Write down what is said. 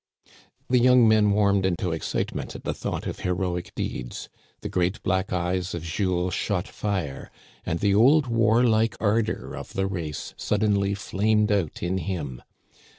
The young men warmed into excitement at the thought of heroic deeds ; the great black eyes of Jules shot fire, and the old warlike ardor of the race suddenly flamed out in him.